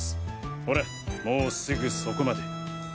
ほらもうすぐそこまで。